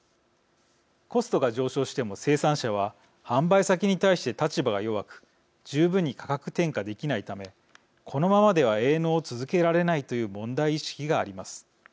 コストが上昇しても生産者は販売先に対して立場が弱く十分に価格転嫁できないためこのままでは営農を続けられないという問題意識があります。